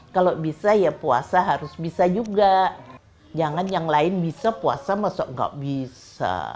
kalau bisa ya puasa harus bisa juga jangan yang lain bisa puasa masuk nggak bisa